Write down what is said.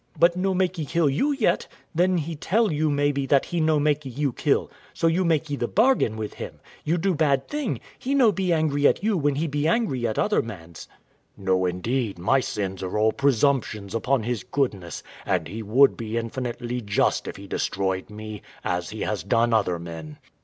Wife. But no makee kill you yet; then He tell you, maybe, that He no makee you kill: so you makee the bargain with Him, you do bad thing, He no be angry at you when He be angry at other mans. W.A. No, indeed, my sins are all presumptions upon His goodness; and He would be infinitely just if He destroyed me, as He has done other men.